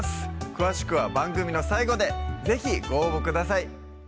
詳しくは番組の最後で是非ご応募ください